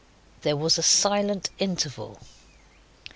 There was a silent interval.